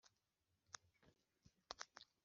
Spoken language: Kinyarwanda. ahamaze gukomera hatyo.